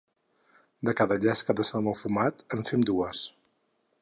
De cada llesca de salmó fumat en fem dues.